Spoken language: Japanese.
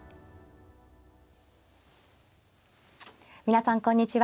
皆さんこんにちは。